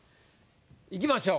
いきましょう。